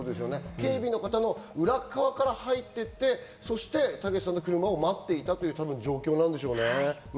警備の方の裏側から入って行って、たけしさんの車を待っていたという状況なんでしょうね。